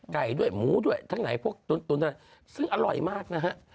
ไก่ด้วยหมูด้วยทั้งหลายพวกตุ๋นตุ๋นตุ๋นซึ่งอร่อยมากนะฮะ